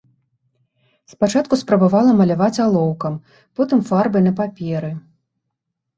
Спачатку спрабавала маляваць алоўкам, потым фарбай на паперы.